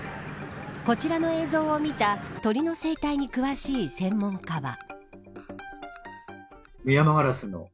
こちらの映像を見た鳥の生態に詳しい専門家は。